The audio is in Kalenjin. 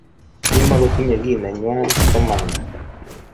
Kimagitinye kiy nenwai, komanda